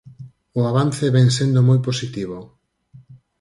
O avance vén sendo moi positivo.